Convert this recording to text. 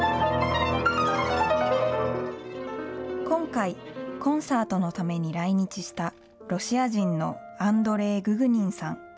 今回、コンサートのために来日した、ロシア人のアンドレイ・ググニンさん。